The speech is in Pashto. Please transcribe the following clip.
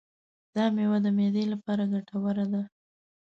دا مېوه د معدې لپاره ګټوره ده.